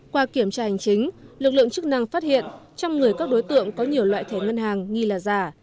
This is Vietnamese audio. qua kiểm tra hành chính lực lượng chức năng phát hiện trong người các đối tượng có nhiều loại thẻ ngân hàng nghi là giả